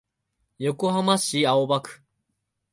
横浜市青葉区